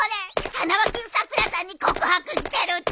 花輪君さくらさんに告白してるってこと？